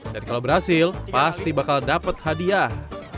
dan kalau berhasil pasti bakal dapat hadiah